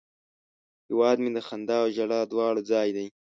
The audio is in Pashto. هیواد مې د خندا او ژړا دواړه ځای دی